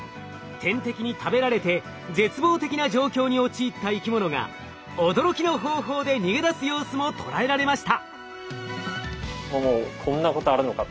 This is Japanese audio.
天敵に食べられて絶望的な状況に陥った生き物が驚きの方法で逃げ出す様子も捉えられました。